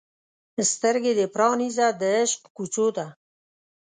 سترګې دې پرانیزه د عشق کوڅو ته